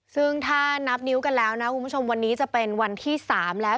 ซึ่งถ้านับนิ้วกันแล้วนะคุณผู้ชมวันนี้จะเป็นวันที่๓แล้ว